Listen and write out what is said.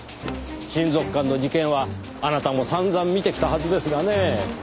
親族間の事件はあなたも散々見てきたはずですがねぇ。